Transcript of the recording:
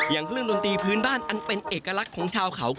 เครื่องดนตรีพื้นบ้านอันเป็นเอกลักษณ์ของชาวเขา